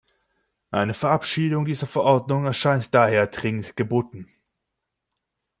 Eine Verabschiedung dieser Verordnung erscheint daher dringend geboten.